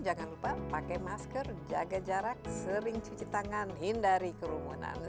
jangan lupa pakai masker jaga jarak sering cuci tangan hindari kerumunan